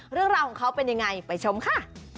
เรื่องราวของเขาเป็นยังไงไปชมค่ะ